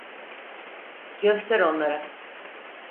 Göster onlara!